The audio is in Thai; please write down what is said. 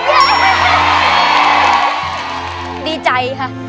หนูรู้สึกดีมากเลยค่ะ